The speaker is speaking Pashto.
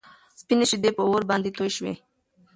سپينې شيدې په اور باندې توی شوې.